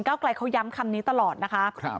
ไกลเขาย้ำคำนี้ตลอดนะคะ